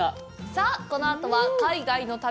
さあ、この後は海外の旅。